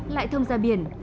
lại thông ra biển